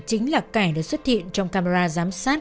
chính là cải đã xuất hiện trong camera giám sát